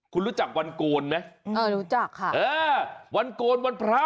คุณรู้จักวันโกนไหมเออรู้จักค่ะเออวันโกนวันพระ